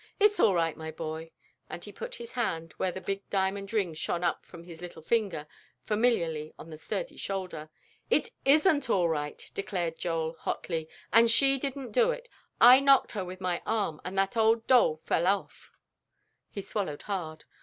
It's all right, my boy," and he put his hand, where the big diamond ring shone up from the little finger, familiarly on the sturdy shoulder. "It isn't all right," declared Joel, hotly, "and she didn't do it. I knocked her with my arm and that old doll fell off;" he swallowed hard.